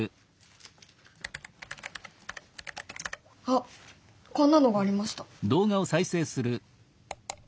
あっこんなのがありました。